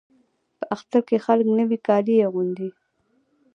په اختر کې خلک نوي کالي اغوندي.